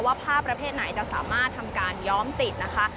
ว่าผ้าประเภทไหนจะสามารถทำการย้อมติดนะคะ